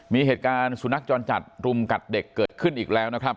มีเหตุการณ์สุนัขจรจัดรุมกัดเด็กเกิดขึ้นอีกแล้วนะครับ